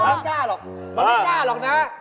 ไม่ได้กล้าหรอกไม่ได้กล้าหรอกนะ